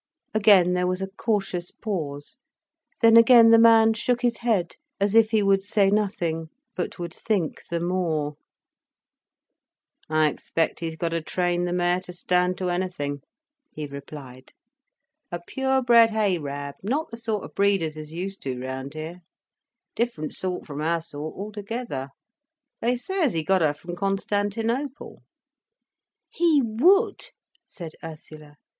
Again there was a cautious pause. Then again the man shook his head, as if he would say nothing, but would think the more. "I expect he's got to train the mare to stand to anything," he replied. "A pure bred Harab—not the sort of breed as is used to round here—different sort from our sort altogether. They say as he got her from Constantinople." "He would!" said Ursula.